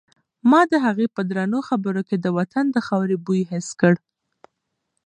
ما د هغې په درنو خبرو کې د وطن د خاورې بوی حس کړ.